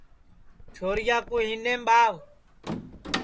چھوریا کُُو ہینٚڈؔیم ٻاو